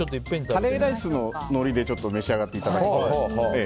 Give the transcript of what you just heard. カレーライスのノリで召し上がっていただいて。